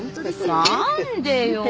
何でよ！？